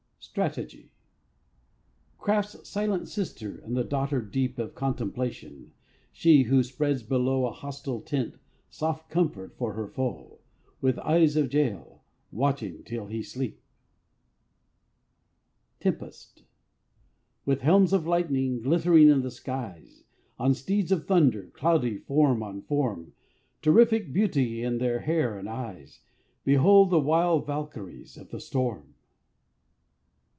STRATEGY. Craft's silent sister and the daughter deep Of Contemplation, she, who spreads below A hostile tent soft comfort for her foe, With eyes of Jael watching till he sleep. TEMPEST. With helms of lightning, glittering in the skies, On steeds of thunder, cloudy form on form, Terrific beauty in their hair and eyes, Behold the wild Valkyries of the storm.